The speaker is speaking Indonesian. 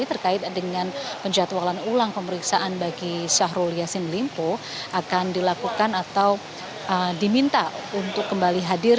terkait dengan penjatualan ulang pemeriksaan bagi syahrul yassin limpo akan dilakukan atau diminta untuk kembali hadir